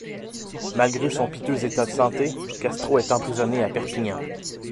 Malgré son piteux état de santé, Castro est emprisonné à Perpignan.